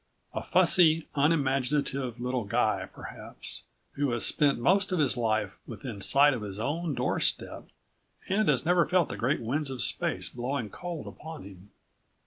A fussy, unimaginative little guy, perhaps, who has spent most of his life within sight of his own doorstep and has never felt the great winds of space blowing cold upon him.